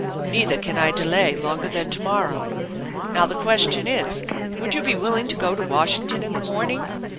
Neither can I delay longer than to morrow. Now the question is, would you be willing to go to Washington in the morning?